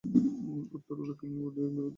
উত্তর এবং দক্ষিণ মুখে ভবনের উপরে দুটি ঘড়ি আছে।